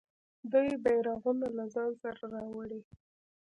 دوی بیرغونه له ځان سره راوړي.